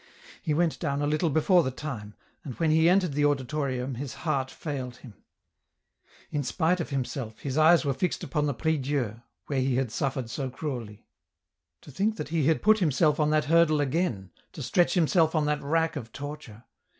He went down a little before the time, and when he entered the auditorium his heart failed him. In spite of himself, his eyes were fixed upon the prie Dieu, where he had suffered so cruelly. To think that he had to put himself on that hurdle again, to stretch himself on that rack of torture